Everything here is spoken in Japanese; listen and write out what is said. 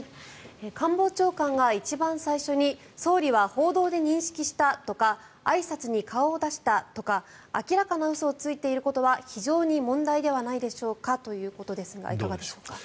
官房長官が一番最初に総理は報道で認識したとかあいさつに顔を出したとか明らかな嘘をついていることは非常に問題ではないでしょうかということですがどうでしょう。